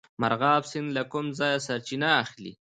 مرغاب سیند له کوم ځای سرچینه اخلي؟